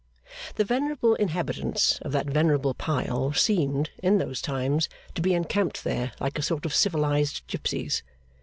The venerable inhabitants of that venerable pile seemed, in those times, to be encamped there like a sort of civilised gipsies.